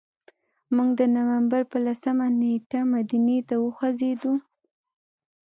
موږ د نوامبر په لسمه نېټه مدینې ته وخوځېدو.